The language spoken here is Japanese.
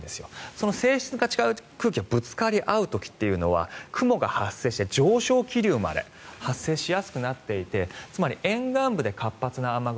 その性質が違う空気がぶつかり合う時というのは雲が発生して上昇気流まで発生しやすくなっていてつまり沿岸部で活発な雨雲